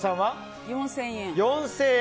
４０００円。